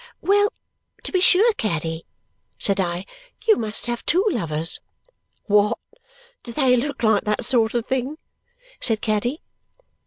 "Well, to be sure, Caddy!" said I. "You must have two lovers!" "What? Do they look like that sort of thing?" said Caddy.